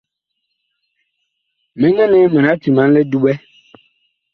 Mɛnɛ nɛ mana timan li duɓɛ.